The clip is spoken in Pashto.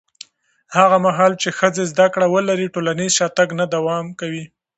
هغه مهال چې ښځې زده کړه ولري، ټولنیز شاتګ نه دوام کوي.